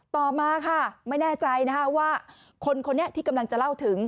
ต่อมาค่ะไม่แน่ใจนะคะว่าคนคนนี้ที่กำลังจะเล่าถึง